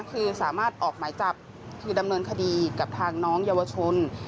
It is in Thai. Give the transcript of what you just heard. คือสามารถออกหมายจับคือดำเนินคดีกับทางน้องเยาวชน